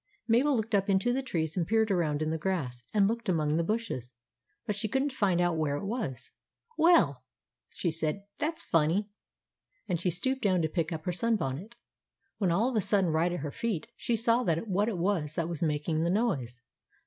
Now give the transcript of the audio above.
Mabel looked up into the trees, and peered around in the grass, and looked among the bushes, but she could n't find out where it was. "Well!" she said, "that's funny!" and she stooped down to pick up her sun bonnet : when all of a sudden right at her feet she saw what it was that was making the noise.